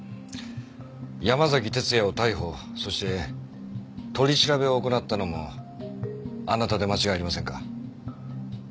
山崎哲也を逮捕そして取り調べを行ったのもあなたで間違いありませんか？